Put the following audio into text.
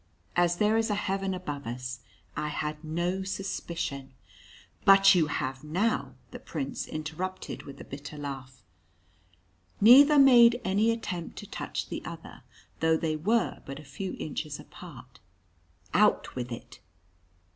"As there is a heaven above us, I had no suspicion " "But you have now," the Prince interrupted with a bitter laugh. Neither made any attempt to touch the other, though they were but a few inches apart. "Out with it!"